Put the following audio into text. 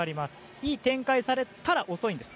いい展開をされたら遅いんです。